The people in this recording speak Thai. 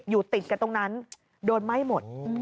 อยู่ติดกันตรงนั้นโดนไหม้หมด